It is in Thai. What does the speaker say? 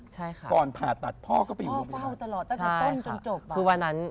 ใช่ค่ะพ่อนผ่าตัดพ่อก็ไปร่วมพยาบาลใช่ค่ะคือวันนั้น